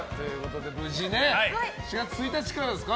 無事、７月１日からですか。